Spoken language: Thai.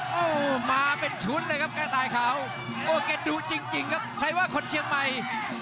โอ้โหมาเป็นชุดเลยครับกระต่ายขาวโอ้แกดูจริงครับใครว่าคนเชียงใหม่